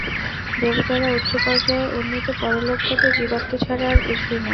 দেবতারা উচ্চ পর্যায়ে উন্নীত পরলোকগত জীবাত্মা ছাড়া আর কিছুই নন।